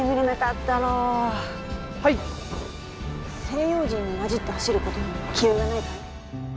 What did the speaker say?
西洋人に交じって走ることに気負いはないかい？